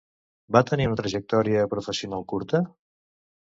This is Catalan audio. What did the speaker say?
Va tenir una trajectòria professional curta?